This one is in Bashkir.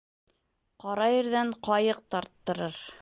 Ҡара ерҙән ҡайыҡ тарттырыр.